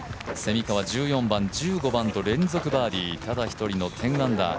蝉川、１４番、１５番と連続バーディーただ一人の１０アンダー。